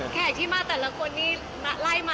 แขกที่มาแต่ละคนนี้ไล่มาตั้งแต่นี่นะ